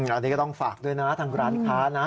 อันนี้ก็ต้องฝากด้วยนะทางร้านค้านะ